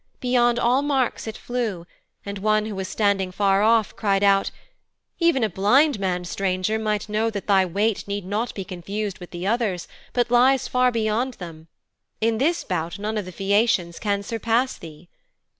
Beyond all marks it flew, and one who was standing far off cried out, 'Even a blind man, stranger, might know that thy weight need not be confused with the others, but lies far beyond them. In this bout none of the Phæacians can surpass thee.'